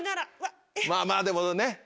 まぁまぁでもね